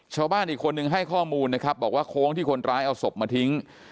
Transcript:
ชาวบ้านอีกคนนึงให้ข้อมูลนะครับบอกว่าโค้งที่คนร้ายเอาศพมาทิ้ง